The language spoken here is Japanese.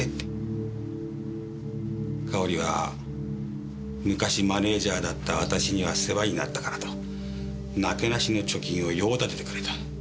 かおりは昔マネージャーだった私には世話になったからとなけなしの貯金を用立ててくれた。